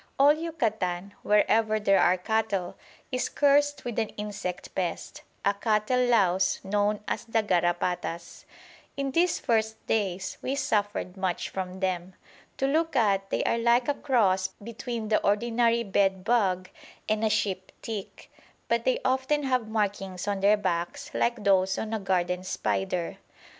All Yucatan, wherever there are cattle, is cursed with an insect pest a cattle louse known as the garrapatas. In these first days we suffered much from them. To look at they are like a cross between the ordinary bed bug and a sheep tick, but they often have markings on their backs like those on a garden spider.